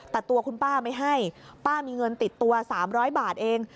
แต่ตัวคุณป้าไม่ให้ป้ามีเงินติดตัว๓๐๐บาทเอง